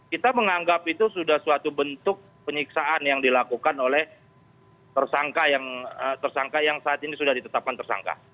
kita menganggap itu sudah suatu bentuk penyiksaan yang dilakukan oleh tersangka yang saat ini sudah ditetapkan tersangka